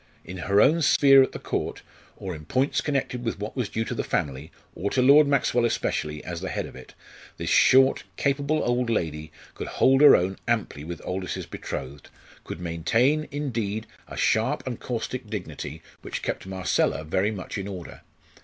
In her own sphere at the Court, or in points connected with what was due to the family, or to Lord Maxwell especially, as the head of it, this short, capable old lady could hold her own amply with Aldous's betrothed, could maintain, indeed, a sharp and caustic dignity, which kept Marcella very much in order.